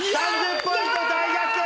３０ポイント大逆転！